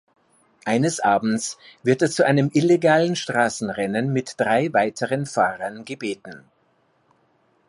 Eines Abends wird er zu einem illegalen Straßenrennen mit drei weiteren Fahrern gebeten.